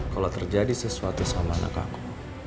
kalau terjadi sesuatu sama anak aku